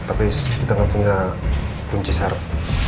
tapi kita nggak punya kunci syarat